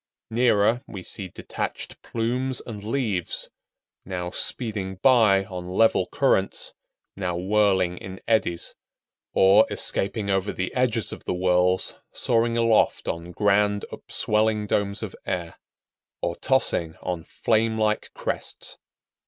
Nearer, we see detached plumes and leaves, now speeding by on level currents, now whirling in eddies, or, escaping over the edges of the whirls, soaring aloft on grand, upswelling domes of air, or tossing on flame like crests.